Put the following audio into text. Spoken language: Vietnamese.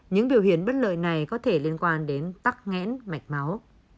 những biểu hiện bất lợi này có thể liên quan đến tắc nghẽn mạch máu